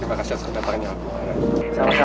terima kasih atas kedatangan yang aku alami